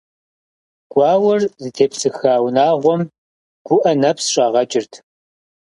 Гуауэр зытепсыха унагъуэм гуӀэ нэпс щӀагъэкӀырт.